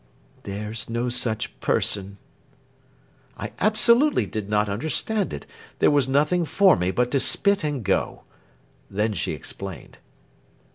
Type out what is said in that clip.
"There's no such person." I absolutely did not understand it. There was nothing for me but to spit and go. Then she explained.